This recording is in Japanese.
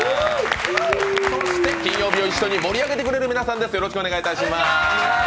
金曜日を一緒に盛り上げてくれる皆さんです。